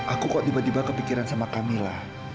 aku kok tiba tiba kepikiran sama camilla